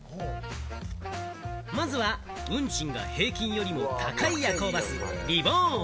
まずは運賃が平均よりも高い夜行バス、リボーン。